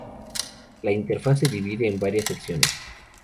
La interfaz se divide en varias secciones.